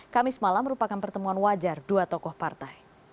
kamis malam merupakan pertemuan wajar dua tokoh partai